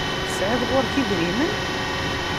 Tesεiḍ ɣur-k idrimen?